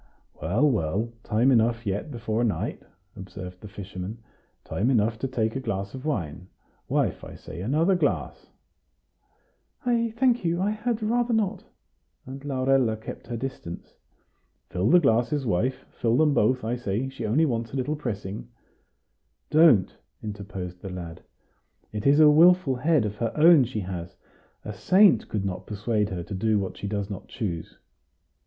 "Well, well, time enough yet before night," observed the fisherman; "time enough to take a glass of wine. Wife, I say, another glass!" "I thank you; I had rather not;" and Laurella kept her distance. "Fill the glasses, wife; fill them both, I say; she only wants a little pressing." "Don't," interposed the lad. "It is a wilful head of her own she has; a saint could not persuade her to do what she does not choose."